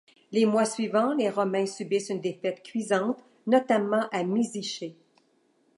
Les mois suivants, les romains subissent une défaite cuisante, notamment à Misiché.